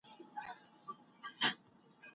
ځکه دغسي هوښیار دی او قابِل دی